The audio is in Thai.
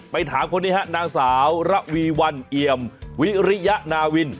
ถามคนนี้ฮะนางสาวระวีวันเอี่ยมวิริยนาวิน